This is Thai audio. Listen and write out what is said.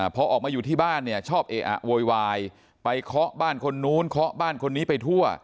พอออกมาอยู่ที่บ้านเนี่ยชอบเออะโวยวายไปเคาะบ้านคนนู้นเคาะบ้านคนนี้ไปทั่ว